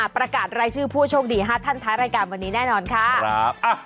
ประกาศรายชื่อผู้โชคดี๕ท่านท้ายรายการวันนี้แน่นอนค่ะ